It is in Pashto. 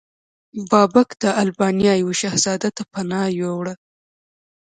بابک د البانیا یو شهزاده ته پناه یووړه.